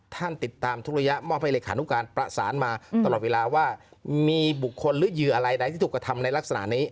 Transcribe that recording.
ท่านติดตามทุกระยะมอบให้เลขานุการประสานมาตลอดเวลาว่ามีบุคคลหรือเหยื่ออะไรใดที่ถูกกระทำในลักษณะนี้